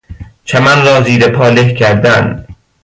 چمن را زیر پا له کردن